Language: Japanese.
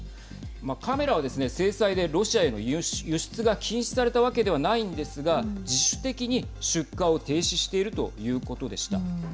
カメラは制裁でロシアへの輸出が禁止されたわけではないんですが自主的に出荷を停止しているということでした。